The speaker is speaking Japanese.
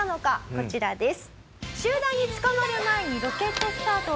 こちらです。